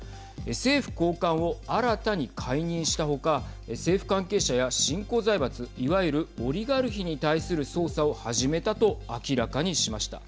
政府高官を新たに解任した他政府関係者や新興財閥いわゆるオリガルヒに対する捜査を始めたと明らかにしました。